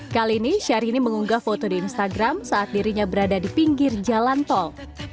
kali ini syahrini mengunggah foto di instagram saat dirinya berada di pinggir jalan tol